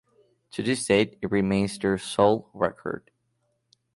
To this date, it remains their sole record.